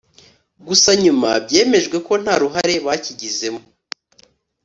gusa nyuma byemejwe ko nta ruhare bakigizemo